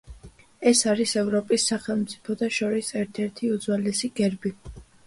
ეს არის ევროპის სახელმწიფოთა შორის ერთ-ერთი უძველესი გერბი.